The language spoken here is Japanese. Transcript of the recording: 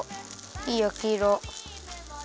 いいやきいろ。